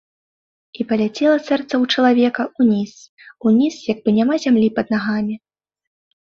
І паляцела сэрца ў чалавека ўніз, уніз, як бы няма зямлі пад нагамі.